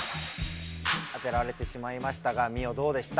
当てられてしまいましたがミオどうでした？